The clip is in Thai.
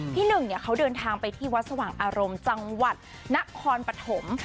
หนึ่งเขาเดินทางไปที่วัดสว่างอารมณ์จังหวัดนครปฐม